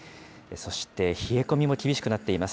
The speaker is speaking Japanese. そして冷え込みも厳しくなっています。